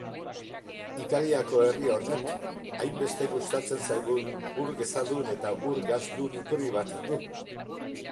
Italiako herri honek, hainbeste gustatzen zaigun ur gezadun eta ur gasdun iturri bat du.